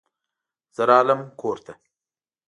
زه راغلم کور ته.